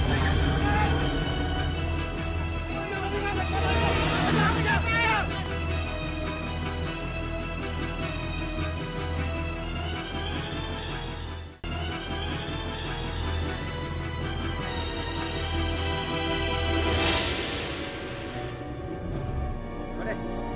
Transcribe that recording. udah ternyata mpinggir pet